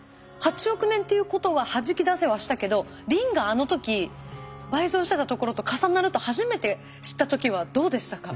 ８億年っていうことははじき出せはしたけどリンがあの時倍増してたところと重なると初めて知った時はどうでしたか？